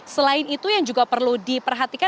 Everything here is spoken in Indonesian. selain itu yang juga perlu diperhatikan